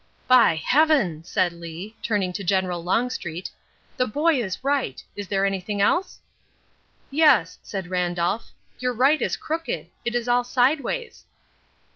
"By Heaven!" said Lee, turning to General Longstreet, "the boy is right! Is there anything else?" "Yes," said Randolph, "your right is crooked. It is all sideways."